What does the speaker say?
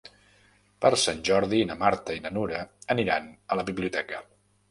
Per Sant Jordi na Marta i na Nura aniran a la biblioteca.